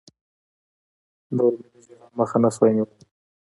نور مې د ژړا مخه نه سوه نيولى.